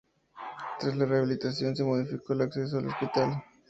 Tras la rehabilitación, se modificó el acceso al hospital.